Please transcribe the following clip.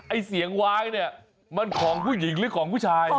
ไอ้เสียงว้ายเนี่ยมันของผู้หญิงหรือของผู้ชาย